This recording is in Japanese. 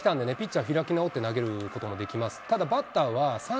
ここまで来たんでね、ピッチャー開き直って投げることもできます。